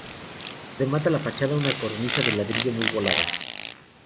Remata la fachada una cornisa de ladrillo muy volada.